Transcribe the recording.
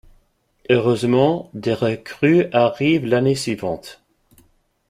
Heureusement, des recrues arrivent l'année suivante.